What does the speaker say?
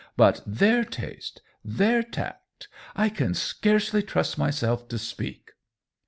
But their taste, their tact — I can scarcely trust myself to speak